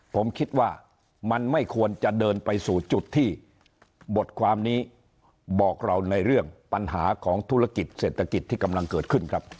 ผมคิดว่ามันไม่ควรจะเดินไปสู่จุดที่บทความนี้บอกเราในเรื่องปัญหาของธุรกิจเศรษฐกิจที่กำลังเกิดขึ้นครับ